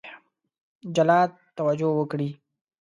جلا توجه وکړي.